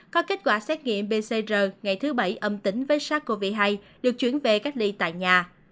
có kết quả xét nghiệm pcr ngày thứ bảy âm tính với sars cov hai được chuyển về cách ly tại nhà